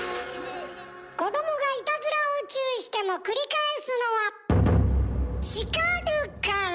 子どもがいたずらを注意しても繰り返すのは叱るから。